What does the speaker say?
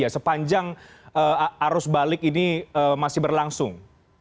sepanjang arus balik ini masih berlangsung